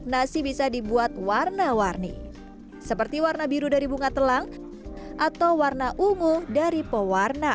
nasi bisa dibuat warna warni seperti warna biru dari bunga telang atau warna ungu dari pewarna